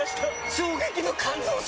衝撃の感動作！